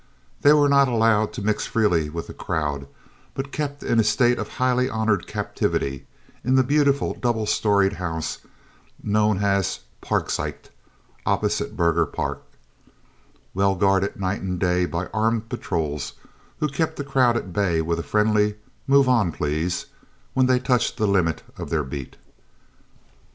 They were not allowed to mix freely with the crowd, but kept in a state of highly honoured captivity in the beautiful double storied house known as "Parkzicht," opposite Burghers Park, well guarded night and day by armed patrols, who kept the crowd at bay with a friendly "Move on, please," when they touched the limit of their beat.